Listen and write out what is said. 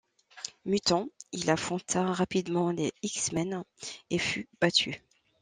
Mutant, il affronta rapidement les X-Men et fut battu.